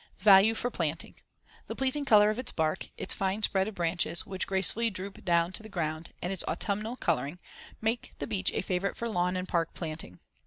Value for planting: The pleasing color of its bark, its fine spread of branches, which gracefully droop down to the ground, and its autumnal coloring, make the beech a favorite for lawn and park planting.